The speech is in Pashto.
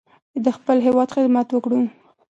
چې د خپل هېواد خدمت وکړو.